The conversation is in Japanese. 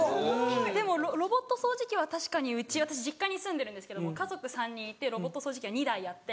でもロボット掃除機は確かに私実家に住んでるんですけど家族３人いてロボット掃除機は２台あって。